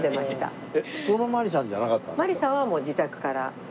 まりさんはもう自宅から。